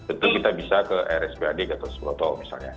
itu kita bisa ke rspad atau sebuah tol misalnya